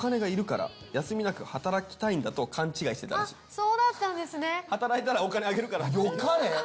そうだったんですね働いたらお金あげるからよかれ？